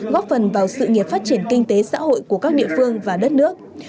góp phần vào sự nghiệp phát triển kinh tế xã hội của các địa phương và đất nước